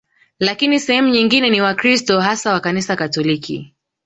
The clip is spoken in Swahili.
Lakini sehemu nyingine ni Wakristo hasa wa Kanisa Katoliki